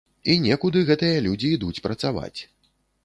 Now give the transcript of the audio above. І некуды гэтыя людзі ідуць працаваць.